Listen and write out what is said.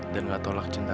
dan gak tolak cinta